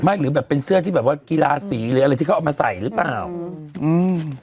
หรือแบบเป็นเสื้อที่แบบว่ากีฬาสีหรืออะไรที่เขาเอามาใส่หรือเปล่าอืม